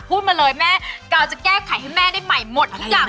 พูดมาเลยแม่กาวจะแก้ไขให้แม่ได้ใหม่หมดทุกอย่าง